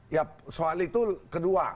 ya soal itu kedua